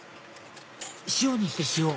塩にして塩！